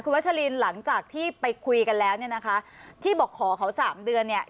วัชลินหลังจากที่ไปคุยกันแล้วเนี่ยนะคะที่บอกขอเขาสามเดือนเนี่ย